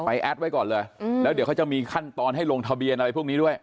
แอดไว้ก่อนเลยแล้วเดี๋ยวเขาจะมีขั้นตอนให้ลงทะเบียนอะไรพวกนี้ด้วย